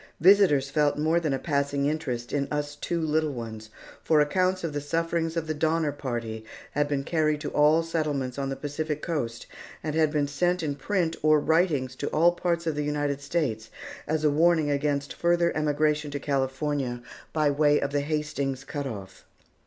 Visitors felt more than a passing interest in us two little ones, for accounts of the sufferings of the Donner Party had been carried to all the settlements on the Pacific coast and had been sent in print or writings to all parts of the United States as a warning against further emigration to California by way of Hastings Cut Off.